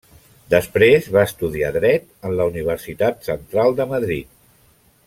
Després va estudiar Dret en la Universitat Central de Madrid.